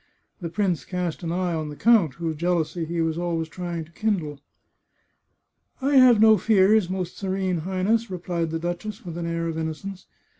The prince cast an eye on the count, whose jealousy he was always trying to kindle. " I have no fears, Most Serene Highness," replied the duchess, with an air of innocence.